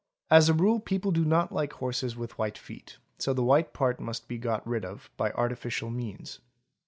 As a rule, people do not like horses with white feet, so the white part must be got rid off by artificial means.